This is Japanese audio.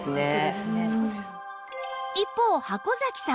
一方箱崎さんは？